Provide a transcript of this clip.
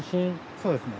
そうですね。